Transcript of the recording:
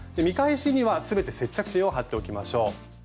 見返しには全て接着芯を貼っておきましょう。